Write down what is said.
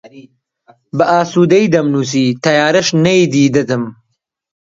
بە ئاسوودەیی دەمنووسی، تەیارەش نەیدەدیتم